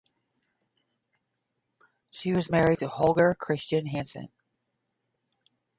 She was married to Holger Christian Hansen.